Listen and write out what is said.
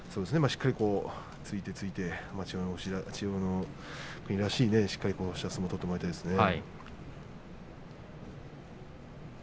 しっかり突いて突いて千代の国らしい相撲を取ってもらいたいですね。